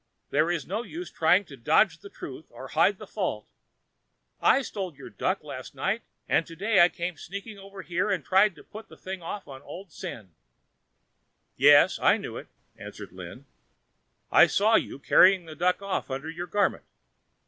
There is no use trying to dodge the truth or hide a fault. I stole your duck last night, and to day I came sneaking over here and tried to put the thing off on old Sen." "Yes, I knew it," answered Lin. "I saw you carrying the duck off under your garment.